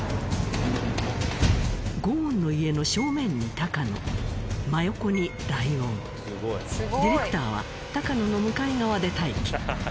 ゴーンの家の正面に高野真横にライオンディレクターは高野の向かい側で待機。